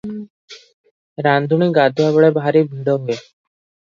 ରାନ୍ଧୁଣୀ ଗାଧୁଆ ବେଳେ ଭାରି ଭିଡ଼ ହୁଏ ।